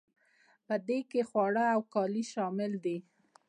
په دې کې خواړه او کالي شامل دي.